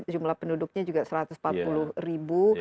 jumlah penduduknya juga satu ratus empat puluh ribu